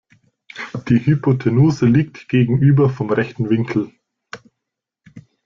Die Hypotenuse liegt gegenüber vom rechten Winkel.